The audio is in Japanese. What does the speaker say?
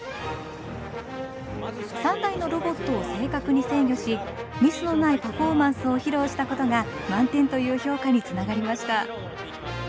３台のロボットを正確に制御しミスのないパフォーマンスを披露したことが満点という評価につながりました。